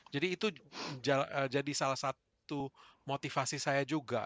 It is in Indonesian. jadi itu jadi salah satu motivasi saya juga